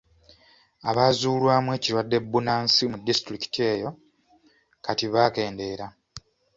Abazuulwamu ekirwadde bbunansi mu disitulikiti eyo kati baakendeera.